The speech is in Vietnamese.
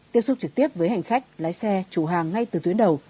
tiếp xúc trực tiếp với hành khách lái xe chủ hàng ngay từ tuyến đầu